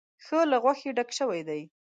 ښه له غوښې ډک شوی دی.